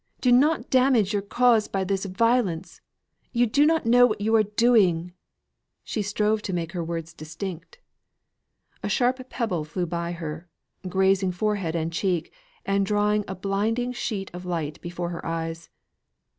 do not damage your cause by this violence. You do not know what you are doing." She strove to make her words distinct. A sharp pebble flew by her, grazing forehead and cheek, and drawing a blinding sheet of light before her eyes.